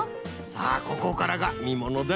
さあここからがみものだ。